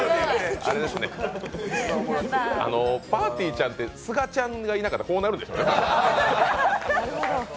ぱーてぃーちゃんってすがちゃんがいなかったらこうなるでしょうね。